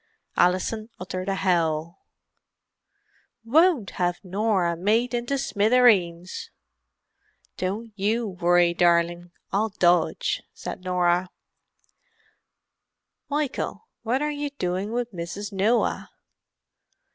Alison uttered a howl. "Won't have Norah made into smivvereens!" "Don't you worry darling, I'll dodge," said Norah. "Michael, what are you doing with Mrs. Noah?"